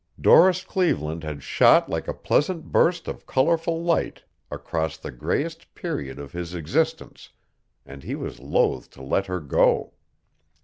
Doris Cleveland had shot like a pleasant burst of colorful light across the grayest period of his existence, and he was loath to let her go.